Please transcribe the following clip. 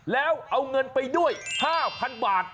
แล้วเอาเงินไปด้วย๕๐๐๐บาท